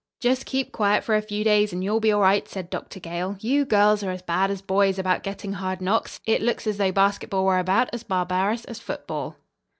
"Just keep quiet for a few days, and you'll be all right," said Dr. Gale. "You girls are as bad as boys about getting hard knocks. It looks as though basketball were about as barbarous as football."